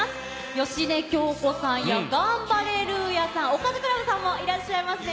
芳根京子さんや、ガンバレルーヤさん、おかずクラブさんもいらっしゃいますね。